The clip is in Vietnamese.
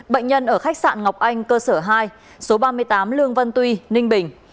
bệnh nhân ở khách sạn ngọc anh cơ sở hai số ba mươi tám lương văn tuy ninh bình